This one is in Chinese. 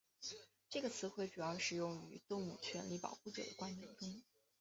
这个词汇主要使用于动物权利保护者的观点中。